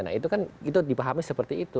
nah itu kan itu dipahami seperti itu